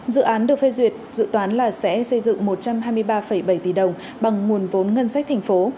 dự án được phê duyệt dự toán là sẽ xây dựng một trăm hai mươi ba bảy tỷ đồng bằng nguồn vốn ngân sách thành phố